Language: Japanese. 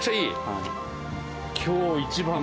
はい。